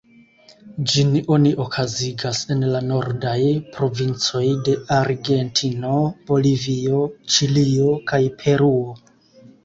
Ĝin oni okazigas en la nordaj provincoj de Argentino, Bolivio, Ĉilio kaj Peruo.